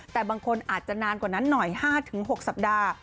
แต่บางคนอาจจะนานกว่านั้นหน่อย๕๖สัปดาห์